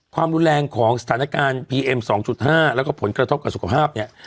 ความรุนแรงของสถานการณ์พีเอ็ม๒๕แล้วก็ผลกระทบกับสุขภาพเนี่ย